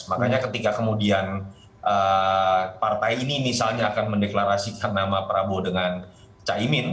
makanya ketika kemudian partai ini misalnya akan mendeklarasikan nama prabowo dengan caimin